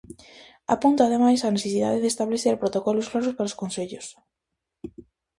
Apunta ademais a necesidade de establecer protocolos claros para os concellos.